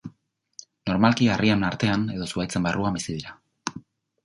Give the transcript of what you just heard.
Normalki harrien artean edo zuhaitzen barruan bizi dira.